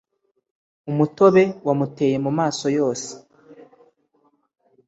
Umutobe wamuteye mumaso yose